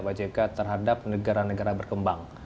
pak jk terhadap negara negara berkembang